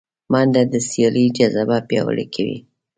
منډه د سیالۍ جذبه پیاوړې کوي